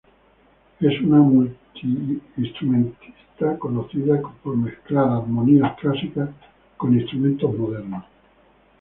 Es un multiinstrumentista conocido por mezclar armonías clásicas con instrumentos modernos.